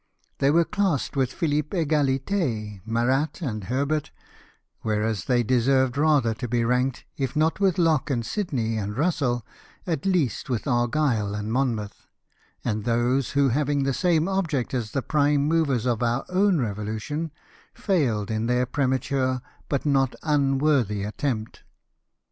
They were classed with Philippe Egahte, Marat, and Hebert, Avhereas they deserved rather to be ranked, if not with Locke and Sydney and Russell, at least with Arg3de and Monmouth, and those who, having the same object as the prime movers of our own revolution, failed in their premature but not unworthy attempt.